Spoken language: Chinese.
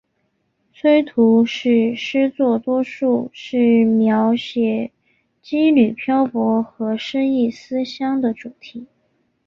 崔涂是诗作多数是描写羁旅漂泊和失意思乡的主题。